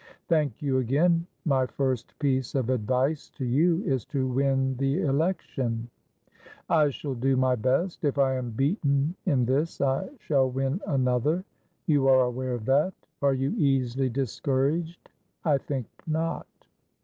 "Thank you, again. My first piece of advice to you is to win the election." "I shall do my best. If I am beaten in this, I shall win another; you are aware of that. Are you easily discouraged? I think not."